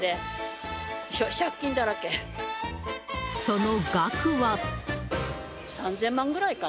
その額は。